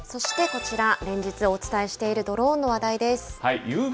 そしてこちら、連日お伝えしているドローンの話題です。